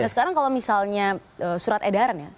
sekarang kalau misalnya surat edaran ya